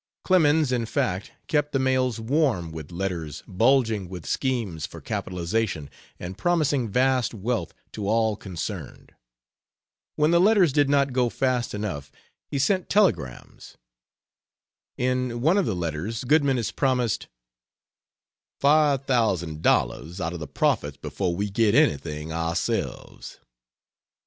Clemens, in fact, kept the mails warm with letters bulging with schemes for capitalization, and promising vast wealth to all concerned. When the letters did not go fast enough he sent telegrams. In one of the letters Goodman is promised "five hundred thousand dollars out of the profits before we get anything ourselves."